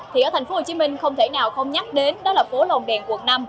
thì ở tp hcm không thể nào không nhắc đến đó là phố lồng đèn quận năm